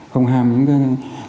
không ham những cái